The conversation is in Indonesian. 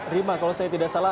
rima kalau saya tidak salah